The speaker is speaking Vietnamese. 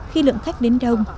khi lượng khách đến đông